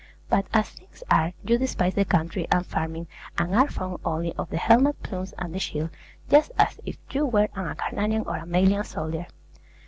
But as things are, you despise the country and farming, and are fond only of the helmet plumes and the shield, just as if you were an Acarnanian or a Malian soldier.